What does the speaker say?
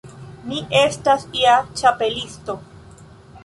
Mi estas ja Ĉapelisto.